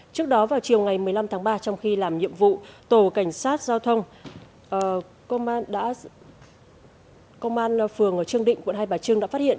trước đó vào chiều ngày một mươi năm tháng ba trong khi làm nhiệm vụ tổ cảnh sát giao thông công an phường trương định quận hai bà trưng đã phát hiện